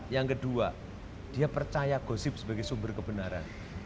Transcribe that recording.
yang kedua dia percaya gosip sebagai sumber kebenaran